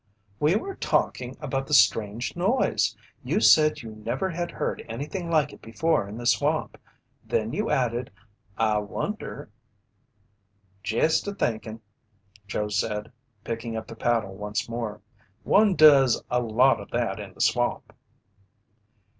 "We were talking about the strange noise. You said you never had heard anything like it before in the swamp. Then you added 'I wonder '" "Jest a thinkin'," Joe said, picking up the paddle once more. "One does a lot o' that in the swamp."